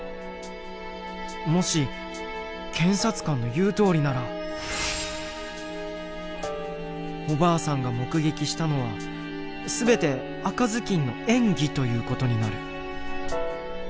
もし検察官の言うとおりならおばあさんが目撃したのは全て赤ずきんの演技という事になる。